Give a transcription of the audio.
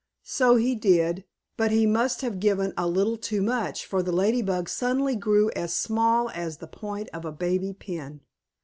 So he did, but he must have given a little too much, for the Lady Bug suddenly grew as small as the point of a baby pin.